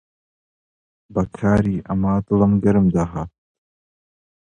بە کاری ئەمە دڵم گەرم داهات.